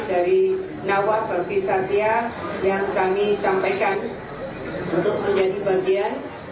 dari nawa bagi satya yang kami sampaikan untuk menjadi bagian